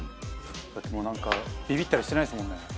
だってもうなんかビビったりしてないですもんね。